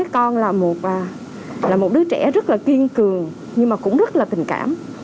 con là một đứa trẻ rất là kiên cường nhưng mà cũng rất là tình cảm